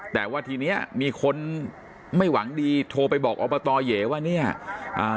แต่ว่าทีเนี้ยมีคนไม่หวังดีโทรไปบอกอบตเหยว่าเนี่ยอ่า